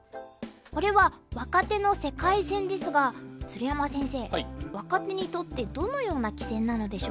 これは若手の世界戦ですが鶴山先生若手にとってどのような棋戦なのでしょうか？